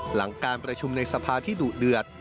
หลังการประชุมในสภาที่ดุเดือด